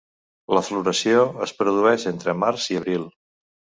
La floració es produeix entre març i abril.